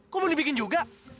kok belum dibikin juga